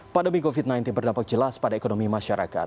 pandemi covid sembilan belas berdampak jelas pada ekonomi masyarakat